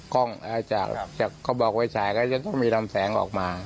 เขาบอกไว้ฉ่ายก็ต้องมีลำแสงออกมา